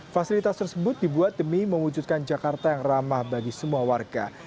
fasilitas tersebut dibuat demi mewujudkan jakarta yang ramah bagi semua warga